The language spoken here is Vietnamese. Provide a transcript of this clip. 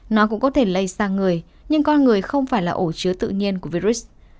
nó cũng có thể lây sang người nhưng con người không phải là ổ chứa tự nhiên của virus